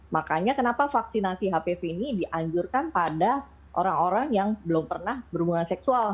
makanya kenapa vaksinasi hpv ini dianjurkan pada orang orang yang belum pernah berhubungan seksual